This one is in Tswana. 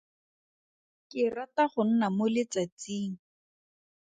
Ke rata go nna mo letsatsing.